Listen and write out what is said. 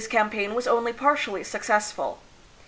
303 campaign was only partially successful.